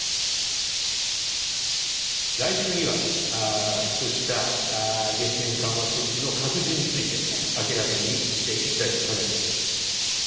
来週には、そうした激変緩和措置の拡充について、明らかにしていきたいと考えています。